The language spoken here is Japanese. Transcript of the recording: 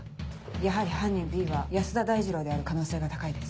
やはり犯人Ｂは安田大二郎である可能性が高いです。